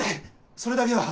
それだけは！